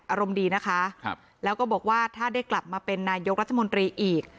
อารมณ์ดีนะคะแล้วก็บอกว่าถ้าได้กลับมาเป็นนายกรัฐมนตรีอีก